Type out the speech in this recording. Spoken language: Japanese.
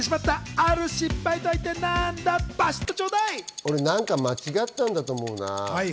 俺、なんか間違ったんだと思うな。